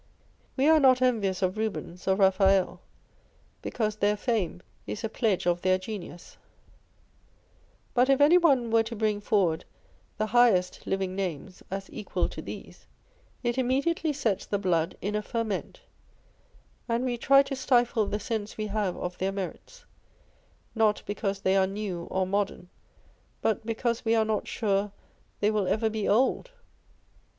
We are not envious of Eubens or Raphael, because their fame is a pledge of their genius : but if anyone were to bring forward the highest living names as equal to these, it immediately sets the blood in a ferment, and we try to stifle the sense we have of their merits, not because they are new or modern, but because we are not sure they will ever be old.